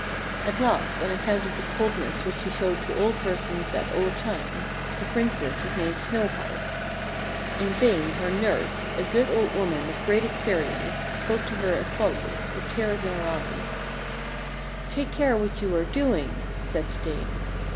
At last, on account of the coldness which she showed to all persons at all times, the Princess was named Snowheart. In vain her nurse, a good old woman of great experience, spoke to her as follows, with tears in her eyes :— "Take care what you are doing," said the dame.